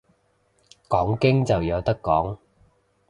講經就有得講